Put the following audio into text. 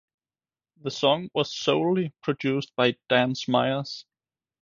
The song was solely produced by Dan Smyers.